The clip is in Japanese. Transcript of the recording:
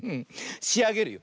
しあげるよ。